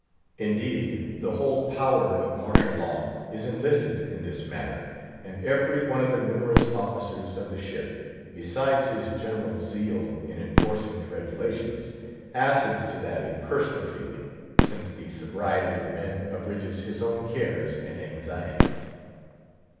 Indeed, the whole power of martial law is enlisted in this matter; and every one of the numerous officers of the ship, besides his general zeal in enforcing the regulations, adds to that a personal feeling, since the sobriety of the men abridges his own cares and anxieties.